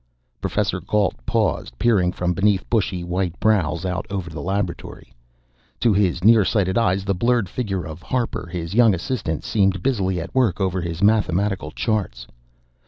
Professor Gault paused, peered from beneath bushy white brows out over the laboratory. To his near sighted eyes the blurred figure of Harper, his young assistant, seemed busily at work over his mathematical charts.